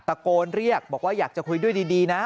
ตะโกนเรียกบอกว่าอยากจะคุยด้วยดีนะ